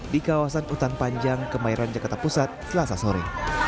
di kawasan hutan panjang kemayoran jakarta pusat selasa sore